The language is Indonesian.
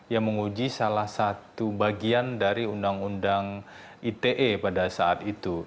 yang menguji salah satu bagian dari undang undang ite pada saat itu